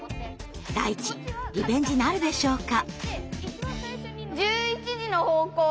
ダイチリベンジなるでしょうか？